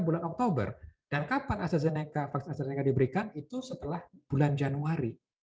bulan oktober dan kapan astrazeneca vaksin astrazeneca diberikan itu setelah bulan januari